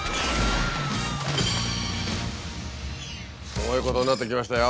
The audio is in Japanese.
すごいことになってきましたよ。